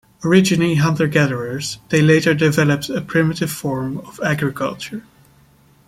Originally hunter-gatherers, they later developed a primitive form of agriculture.